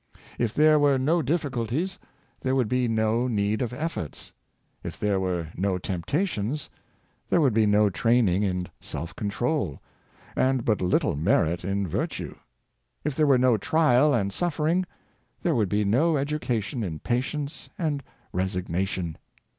If there were no diffi culties, there would be no need of efforts ; if there were no temptations, there would be no training in self con trol, and but little merit in virtue; if there were no trial and suffering, there would be no education in patience and resignation.